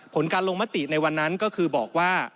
ผลการลงมติในวันนั้นก็คือบอกว่า